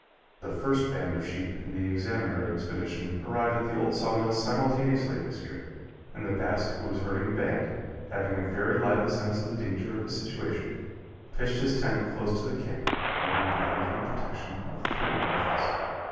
The first band of sheep and the Examiner expedition arrived at the old Sawmill simultaneously this year, and the Basque who was herding the band, having a very lively sense of the danger of his situation, pitched his tent close to the camp, where he would be under the protection of three rifles.